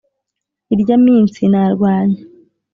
irya minsi narwanye